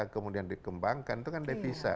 kemudian dikembangkan itu kan devisa